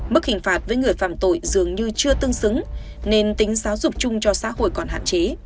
mức hình phạt với người phạm tội dường như chưa tương xứng nên tính giáo dục chung cho xã hội còn hạn chế